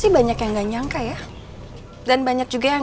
tadi saya gak sengaja denger pembicaraan dari kalian